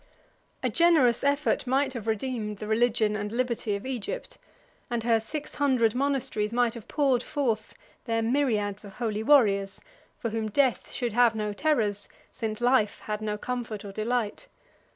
A generous effort might have redeemed the religion and liberty of Egypt, and her six hundred monasteries might have poured forth their myriads of holy warriors, for whom death should have no terrors, since life had no comfort or delight.